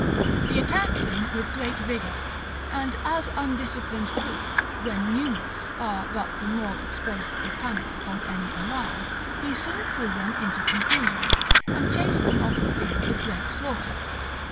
He attacked them with great vigor; and as undisciplined troops, when numerous, are but the more exposed to a panic upon any alarm, he soon threw them into confusion, and chased them off the field with great slaughter.